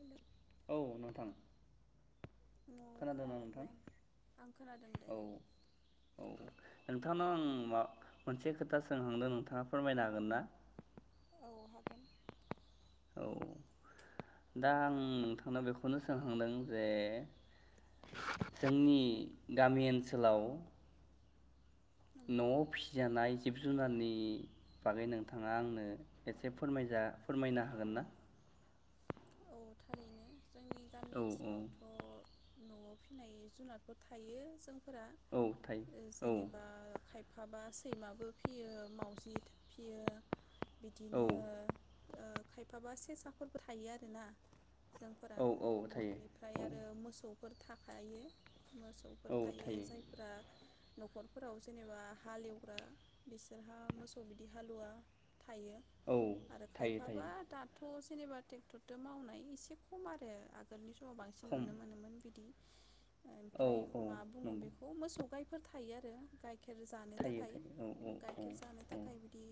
Hello औ नोंथां। औ खोनादों ना नोंथां दे आं आं खोनादों दे औ-औ नोंथांनाव आं मा मोनसे खोथा सोंहांदों नोंथाङा फोरमायनो हागोन ना? औ! हागोन। औ दा आं नोंथांनाव बेखौनो सोंहांदों जे जोंनि औ गामि ओनसोलाव नंगौ न'आव फिजानाय जिब जुनारनि इ बागै नोंथाङा आंनो एसे फोरमायजा फोरमायनो हागोन ना औ थारैनो जोंनि गामि औ औ ओनसोलावथ' न'आव फिनाय जुनारफोर थायो जों फोरा औ थायो जेनेबा औ खायफ फाबा सैमाबो फियो मावउजि थो फियो औ बिदिनो ओ खायफाबा सेसाफोरबो थायो आर ओना जोंफोरा औ औ थायो बेनिफ्राय औ आरो मोसौफोर थाखायो मोसौफोर थायो जायफोरा न'खरफोराव जेनेबा हालेवग्रा बिसोरहा मोसौ बिदि हालुवा थायो औ आरो थायो खायफाबा थायो दाथ' थ सेननिबा टेक्टर मावनाय एसे खम आरो आगोलनि स थ' बांसिन खम नुनो मोनोमोन बिदि औ ओमफ्राय औ मा बुङो नंगौ बेखौ मोसौ गायफोर था थायो आरो गाय खेर जानो थायो थाखाय थायो औ उ औ गाइखेर जानो थाखाय बिदि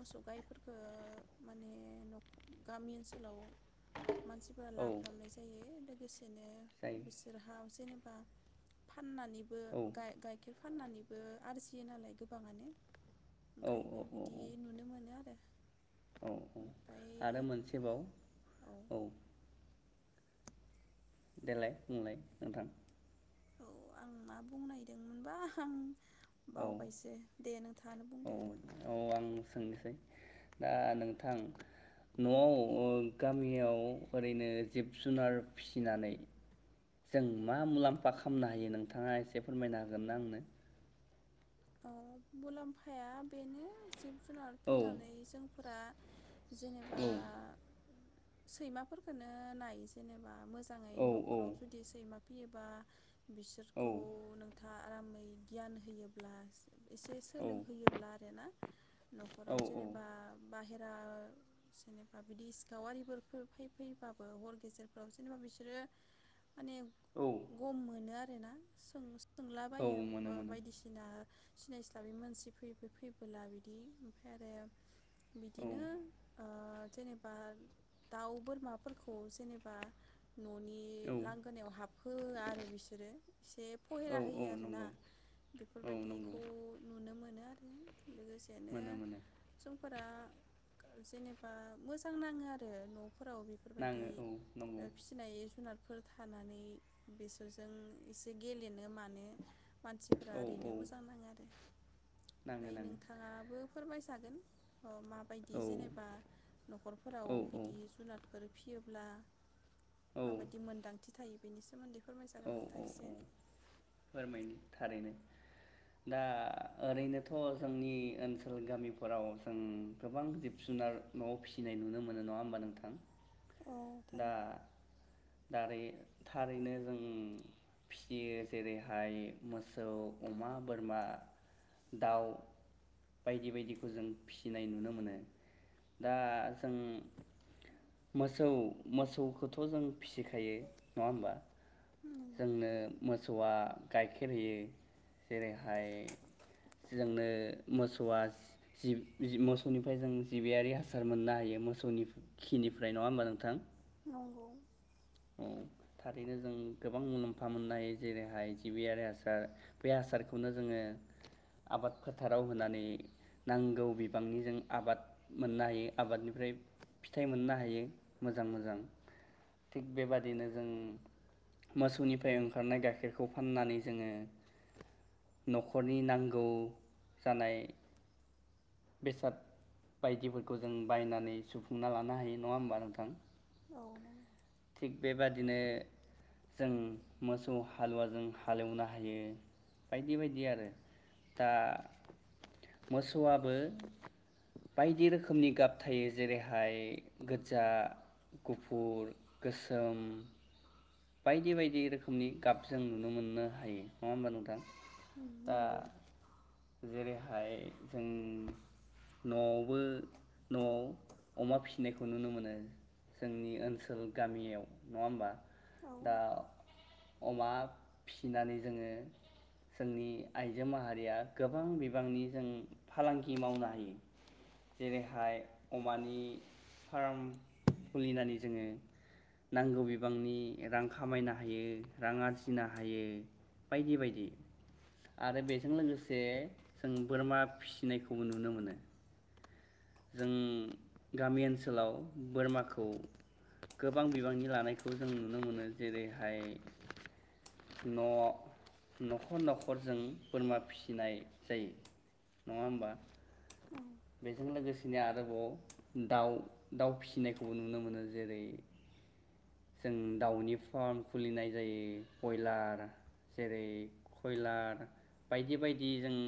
मोसौ गाय फोरखो माने नख गामि ओनसोलाव मानसिफोरा औ लाफ्रामनाय जायो बे बिदिनो जायो बिसोरहा जेनोबा बा फाननानैबो औ गाइ-गाइखेर फाननानै आरजियो नालाय गोबाङानो औ ओंखायनो औ बिदि औ नुनो मोनो आरो। औ औ ओमफ्राय आरो मोनसेबाव औ। देलाय बुंलाय नोंथां। औ आं मा बुंनायदोंमोनबा हां औ बावबायसो दे नोंथाङानो बुंदो। औ औ आं सोंनोसै दा नोंथां न'आव गामियाव ओरैनो जिब जुनार फिसिनानै जों मा मुलाम्फा खालामनो हायो नोंथाङा एसे फोरमायना हागोनना आंनो? औ मुलाम्फाया बेनो जिब जुनार औ फिनानै जों फोरा जेनेबा औ सैमाफोरखोनो नाय जेनेबा मोजाङै औ न'खराव जुदि सैमा फियोबा औ बिसोरखौ नोंथाङा आरामै गियान होयो प्लास एसे सोलोंहोयोब्ला आरो ना औ न'खराव जेनेबा बाहेरा जेनेबा बिदि सिखाव आरिफोर फोर फै फैबाबो हर गेजेरफोराव जेनेबा बिसोरो माने औ गम मोनो आरो [unintelligible] सों औ सोंलाबायो मोनो ओ मोनो बायदिसि ओ सिनायस्लाबै मानसि फै फै फैबोला बिदि ओमफ्राय आरो औ बिदिनो ओ जेनेबा दाउ बोरमाफोरखौ जेनेबा न'नि औ लांगोनायाव हाबहोआ आरो बिसोरो इसे औ फहेरा औ होयो आरो ना नंगौ औ नंगौ फोरबायदिखौ नुनो मोनो आरो लोगोसेनो मोनो मोनो जोंफोरा जेनेबा मोजां नाङो आरो न' फोराव बेफोरबायदि नाङो औ नंगौ ओ फिसिनाय जुनार फोर थानानै बिसोरजों इसे गेलेनो मा फोरा औ औ ओरैनो मोजां नाङो आरो नाङो फाय नाङो नोंथाङाबो फोरमायज [unintelligible] गोन अ माबायदि औ जेनेबा न'खरफोराव औ औ बिदि जुनादफोर फियो ब्ला औ माबादि मोन्दांथि थायो बेनि सोमोन्दै फोरमायजागोन औ नोंथाङा औ एसे औ फोरमायनो थारैनो दा ओरैनोथ' जोंनि ओनसोल गामिफोराव जों गोबां जिब जुनार न'आव फिसिनाय नुनो मोनो नङा होमबा नोंथां औ दा थारैनो दारै थारैनो जों फिसियो जेरैहाय मोसौ अमा बोरमा दाउ बायदि बायदिखो जों फिसिनाय नुनो मोनो दा जों मोसौ मोसौखौथ जों फिसिखायो नङा होमबा? जोंनो मोसौआ गाइखेर होयो जेरैहाय जोंनो मोसौआ जिब जि मोसौनिफ्राय जों जिबियारि हासार मोननो हायो मोसौनि खिनिफ्राय नङा होमबा नोंथां? नंगौ उम थारैनो जों गोबां मुलाम्फा मोननो हायो जेरैहाय जिबियारि हासार बे हासारखौनो जोङो आबाद फोथाराव होनानै नांगौ बिबांनि जों आबाद मोननो हायो आबादनिफ्राय फिथाइ मोननो हायो मोजां मोजां थिग बेबादिनो जों मोसौनिफ्राय ओंखारनाय गाइखेरखौ फाननानै जोङो नखरनि नांगौ जानाय बेसाद बायदिफोरखौ जों बायनानै सुफुंना लानो हायो नङा होमबा नोंथां? औ नंगौ थिग बेबादिनो जों मोसौ हालुवाजों हालेवनो हायो बायदि बायदि आरो दा मोसौआबो बायदि रोखोमनि गाब थायो जेरैहाय गोजा गुफुर गोसोम। बायदि बायदि रोखोमनि गाब जों नुनो मोननो हायो नङा होमबा नोंथां? उम नांगौ। दा जेरैहाय जों न'आवबो न' आव अमा फिनायखौ नुनो मोनो जोंनि ओनसोल गामियाव नङा होमबा? औ दा अमा फिनानै जोङो जोंनि आइजो माहारिया गोबां बिबांनि जों फालांगि मावनो हायो जेरैहाय अमानि फार्म खुलिनानै जोङो नांगौ बिबांनि रां खामायनो हायो रां आरजिनो हायो बायदि बायदि आरो बेजों लोगोसे जों बोरमा फिसिनायखौबो नुनो मोनो। जों गामि ओनसोलाव बोरमाखौ गोबां बिबांनि लानायखौ जों नुनो मोनो जेरैहाय न' न'खर नखरजों बोरमा फिसिनाय जायो नङा होमबा? औ बेजों लोगोसेनो आरोबाव दाउ दाउ फिसिनायखौबो नुनो मोनो जेरै जों दाउनि फार्म खुलिनाय जायो बयलार जेरै कयलार बायदि बायदि जों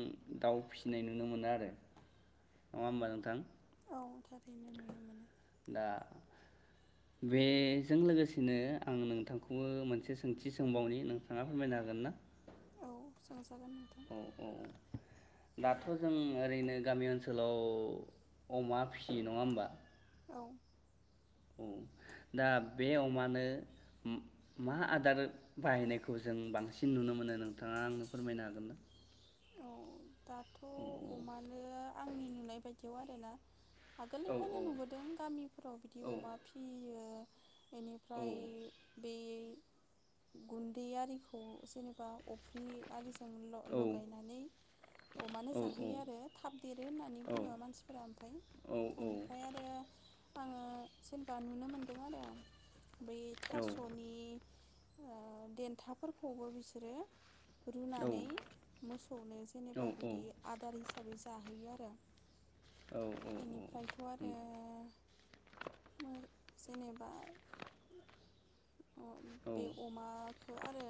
दाउ फिसिनाय नुनो मोनो आरो नङा होमबा नोंथां? औ थारैनो नुनो मोनो दा बेजों लोगोसेनो आं नोंथांखौबो मोनसे सोंथि सोंबावनि नोंथाङा फोरमायनो हागोन ना? औ सोंजा औ औ दाथ जों ओरैनो गामि ओनसोलाव अमा फिसियो नङा होमबा? औ। औ दा बे अमानो मा-मा आदार बाहायनायखौ जों बांसिन नुनो मोनो नोंथाङा आंनो फोरमायनो हागोन ना? औ दाथ औ अमानो आंनि नुनाय बाय दियाव आरोना औ आगोलनिफ्रायनो औ नुबोदों गामिफोराव बिदि औ अमा फियो औ बेनिफ्राय बेय गुन्दै आरिखौ जेनेबा अफ्रि आलिजों औ ल-लगायनानै अमानो औ जाहोयो आरो थाब देरो होननानै बुङो मानसिफोरा ओमफाय औ इनिफ्राय आरो आङो जेनेबा नुनो मोनदों आरो बै थासनि ओ देन्थाफोरखौबो बिसोरो रुनानै मोसौनो औ जेनेबा औ बिदि आदार हिसाबै जाहो हैयो आरो औ बेनिफ्रायथ आरो मो जेनेबा नंगौ बे अमाखो आरो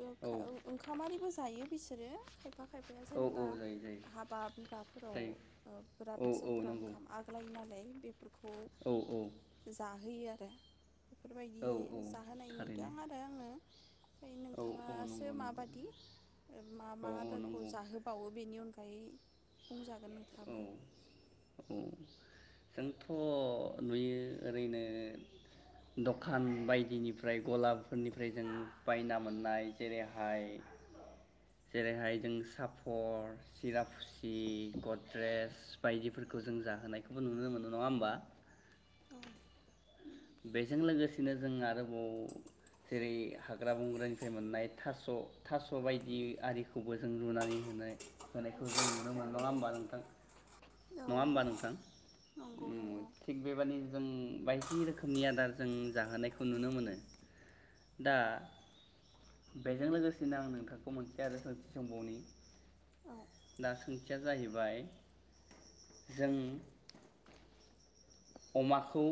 बे औ ओंखामारिबो जायो बिसोरो खायफा खायफाया औ औ जेनेबा जायो जायो हाबा बिबाफोराव जायो ओ बिराद औ औ जोंफोरा नंगौ ओंखाम आग्लायो नालाय बेफोरखौ औ औ जाहोयो दे बेफोरबायदि औ औ जाहोनाय थारैनो नुदों आरो आङो ओमफ्राय औ औ नोंथाङासो नंगौ नंगौ माबादि ओ मा औ मा औ दारखौ नंगौ जाहोबावो बेनि अनगा यै बुं जाग औ औ जोंथ' नुयो ओरैनो दखान बायदिनिफ्राय गलाबफोरनिफ्राय जों बायना मोननाय जेरैहाय जेरैहाय जों साफर सिरापुसि ड्रेस बायदिफोरखौ जों जाहोनायखौबो नुनो मोनो नङा होमबा औ बेजों लोगोसेनो जों आरोबाव जेरै हाग्रा बंग्रानिफ्राय मोननाय थास' थास' बायदि आरिखौबो जों रुनानै होनो होनायखौ जों नुनो मोनो नङा होमबा नों थां औ नङा होमबा नोंथां नंगौ उम नंगौ थिग बेबायदि जों बायदि रोखोमनि आदार जों जाहोनायखौ नुनो मोनो। दा बेजों लोगोसेनो आं नोंथांखौ मोनसे आरो सोंथि सोंबावनि औ दा सों थिया जाहैबाय जों अमाखौ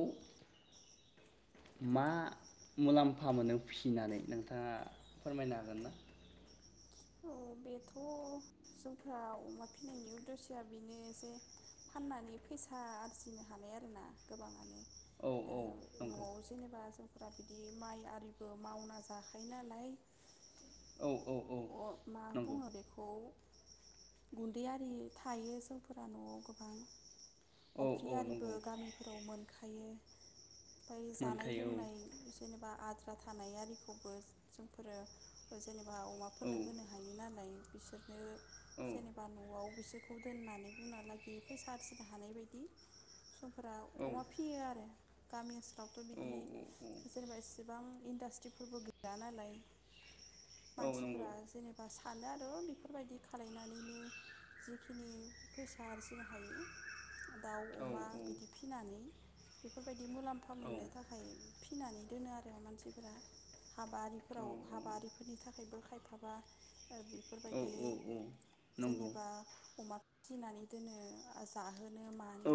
मा मुलाम्फा मोनो फिसिनानै नोंथाङा फोरमायनो हागोन ना? औ बेथ' जोंफ्रा अमा फिसिनायनि उद्दिस'या बेनो जे फाननानै फैसा आरजिनो हानाय आरोना गोबाङानो। औ औ नंगौ फोरा बिदि माइ आरिबो मावना जाखायो नालाय औ औ औ नंगौ गुन्दैआरि थायो जोंफोरा न'आव गोबां औ औ अफ्रियारिबो नंगौ गामिफोराव मोनखायो। ओमफाय जानाय मोनखायो लोंनाय जेनेबा आद्रा थानाय आरिखौबो जोंफोरो जेनेबा अमा औ फोरनो होनो हायो नालाय। बिसोर नो औ जेनेबा न'आव बिसोर बेखौ दोननानै बुंना लागि फैसा आरजिनो हानाय बायदि स जोंफोरा औ अमा फियो आरो। गामि ओन सोलावथ' औ बिदि जेनेबा एसेबां इनदास थिफोरबो गैया नालाय औ मानसि नंगौ फोरा जेनेबा सानो आ रो बेफोरबायदि खालायनानैनो जिखिनि फैसा आरजिनो हायो दाउ औ अमा बिदि फिनानै बेफोरबायदि मुलाम्फा मोननो थाखाय फिनानै दोनो आरो मानसिफोरा हाबा औ आरिफोराव हाबा आरिफोरनि थाखाय बो खाय फाबा ओ औ बेफोरबायदि नंगौ जेनेबा अमा फिनानै दोनो आ जाहो औ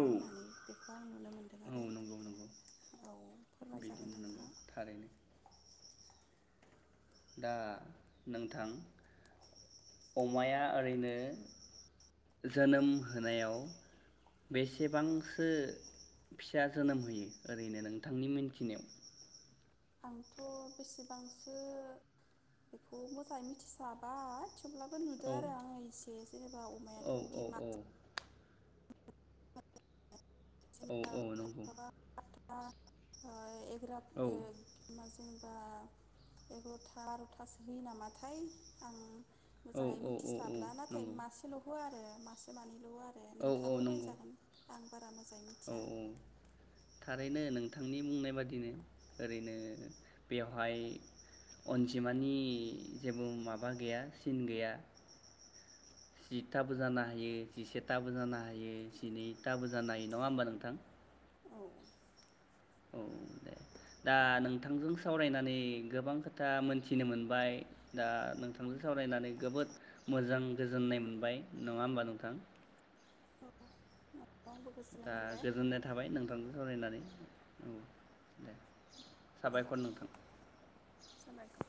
मोनदों औ आरो नंगौ नंगौ औ फोरमायजागोन बिदिनो नंगौ नोंथाङा थारैनो दा नोंथां अमाया ओरैनो जोनोम होनायाव बेसेबांसो फिसा जोनोम होयो ओरैनो नोंथांनि मिनथिनायाव आंथ' बेसेबांसो बेखौ मोजाङै मिथिस्लाबा थेवब्लाबो नुदो औ आरो आङो एसे जेनेबा औ अमायाथ' औ बिदि औ माखा औ जेनेबा औ नंगौ खायफाबा ओ [unintelligible] बा औ एग्रथा बार'थासो होयो नामाथाय आं औ मोजाङै औ औ मिथिस्लाबला नाथाय नंगौ मासेल' होआ आरो मासे मानै होआ आरो औ औ नोंथांङा फोरमाय नंगौ जागोन आं बारा मोजां औ औ थारैनो नोंथांनि बुंनाय बादिनो ओरैनो बेवहाय अनजिमानि जेबो माबा गैया सिन गैया जिथाबो जानो हायो जिसेथाबो जानो हायो जिनैथाबो जानो हायो नङा होमबा नोंथां? औ औ दे। दा नोंथांजों सावरायनानै गोबां खोथा मोनथिनो मोनबाय दा नोंथांजों सावरायनानै जोबोद मोजां गोजोननाय मोनबाय नङा होमबा नोंथां? औ आंबो गोजोननाय दा मोनबाय गोजोननाय थाबाय नोंथांजो सावरायनानै औ दे दे साबायखर नोंथां। साबायखर